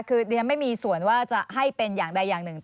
คือดิฉันไม่มีส่วนว่าจะให้เป็นอย่างใดอย่างหนึ่ง